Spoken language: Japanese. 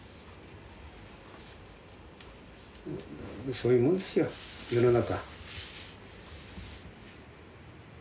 そういうもんですよ世の中。